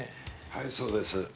はいそうです。